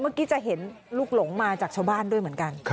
เมื่อกี้จะเห็นลูกหลงมาจากชาวบ้านด้วยเหมือนกัน